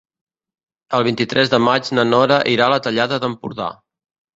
El vint-i-tres de maig na Nora irà a la Tallada d'Empordà.